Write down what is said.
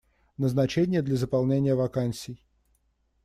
Назначения для заполнения вакансий.